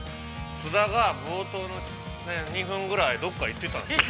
◆津田が冒頭の２分ぐらい、どこか行ってたんですけど。